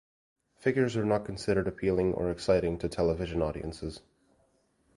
Figures were not considered appealing or exciting to television audiences.